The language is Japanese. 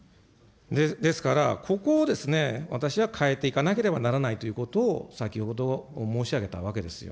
ですから、ここを私は変えていかなければならないということを先ほど申し上げたわけですよ。